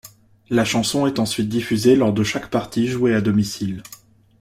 La chanson est ensuite diffusée lors de chaque partie jouée à domicile.